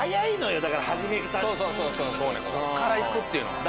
こっからいくっていうのがね。